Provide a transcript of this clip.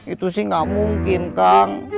itu sih gak mungkin kang